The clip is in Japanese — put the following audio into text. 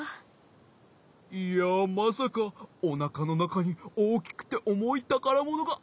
いやまさかおなかのなかにおおきくておもいたからものがあったなんてね。